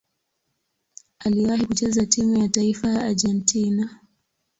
Aliwahi kucheza timu ya taifa ya Argentina.